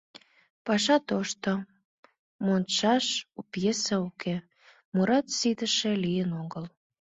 Паша тошто, модшаш у пьеса уке, мурат ситыше лийын огыл.